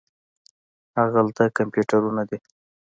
هاغلته کمپیوټرونه دي.